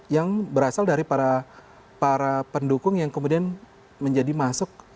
yang berasal dari para pendukung yang kemudian menjadi masuk